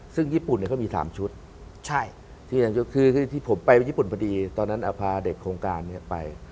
ซึ่งญี่ปุ่นเขามี๓ชุดที่๓ชุดคือที่ผมไปญี่ปุ่นพอดีตอนนั้นพาเด็กโครงการนี้ไป